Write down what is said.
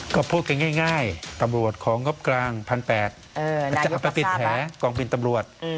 ก็พูดกันง่ายตำรวจของงบกลาง๑๘๐๐มันจะเอาไปติดแหกองบินตำรวจ